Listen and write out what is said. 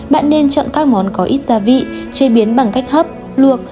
bạn nên chọn các món có ít gia vị chế biến bằng cách hấp luộc